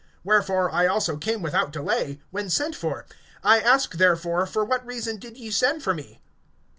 (29)Wherefore I also came without delay, when sent for. I ask therefore for what reason did ye send for me?